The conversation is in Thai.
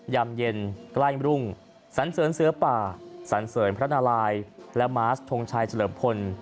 ยามเย็นใกล้รุ่งสันเสริญเสือป่าสันเสริญพระนารายและมาสทงชัยเฉลิมพล